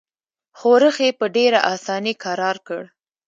ښورښ یې په ډېره اساني کرار کړ.